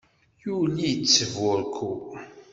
Yuli-tt burekku.